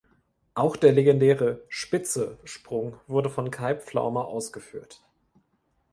Auch der legendäre „Spitze“-Sprung wurde von Kai Pflaume ausgeführt.